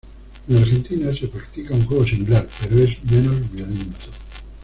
En Argentina se practica un juego similar, pero es menos violento.